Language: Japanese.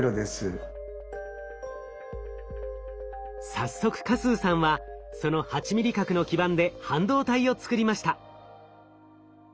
早速嘉数さんはその８ミリ角の基板で半導体をつくりました。